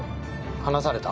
離された？